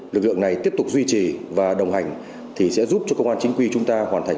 lực lượng này tiếp tục duy trì và đồng hành thì sẽ giúp cho công an chính quy chúng ta hoàn thành